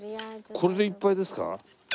これでいっぱいですか？